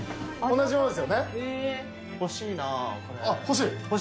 同じものですよね。